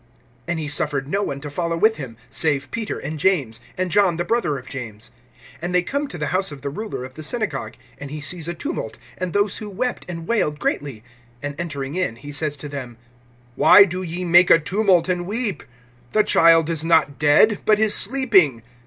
(37)And he suffered no one to follow with him, save Peter, and James, and John the brother of James. (38)And they come to the house of the ruler of the synagogue; and he sees a tumult, and those who wept and wailed greatly. (39)And entering in, he says to them: Why do ye make a tumult, and weep? The child is not dead, but is sleeping.